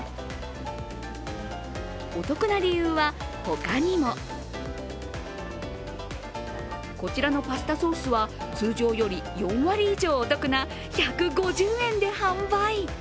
お得な理由は他にもこちらのパスタソースは通常より４割以上お得な１５０円で販売。